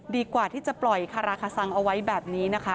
ดีกว่าที่จะปล่อยคาราคาซังเอาไว้แบบนี้นะคะ